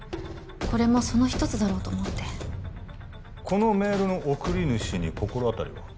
これもその一つだろうと思ってこのメールの送り主に心当たりは？